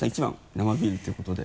生ビールっていうことで。